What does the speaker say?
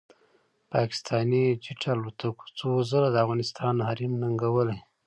پاکستاني جېټ الوتکو څو ځله د افغانستان حریم ننګولی